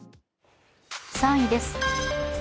３位です。